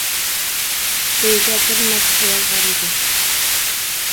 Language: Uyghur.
ئۆيدە بىر نەچچە ئايال بار ئىدى.